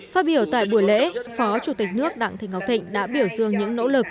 phát biểu tại buổi lễ phó chủ tịch nước đặng thị ngọc thịnh đã biểu dương những nỗ lực